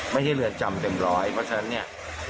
ไม่ใช่เรือนจำเต็มร้อยเพราะฉะนั้นเนี่ย